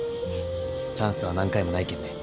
チャンスは何回もないけんね。